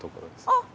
あっ！